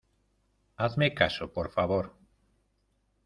hazme caso, por favor.